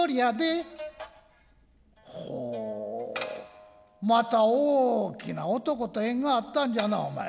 「ほおまた大きな男と縁があったんじゃなお前。